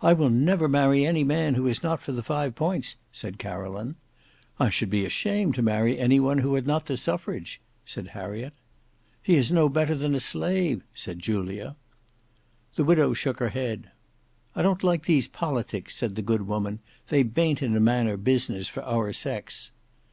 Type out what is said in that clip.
"I will never marry any man who is not for the Five Points," said Caroline. "I should be ashamed to marry any one who had not the suffrage," said Harriet. "He is no better than a slave," said Julia. The widow shook her head. "I don't like these politics," said the good woman, "they bayn't in a manner business for our sex."